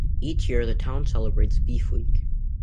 Each year the town celebrates Beef Week.